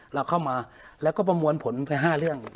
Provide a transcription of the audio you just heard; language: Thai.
เราเข้ามาแล้วก็ประมวลผลไป๕เรื่อง